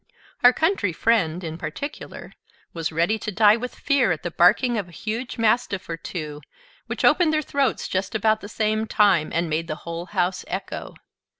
Our Country Friend, in particular, was ready to die with fear at the barking of a huge mastiff or two, which opened their throats just about the same time, and made the whole house echo.